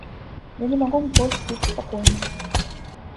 Я не магу больш быць спакойным.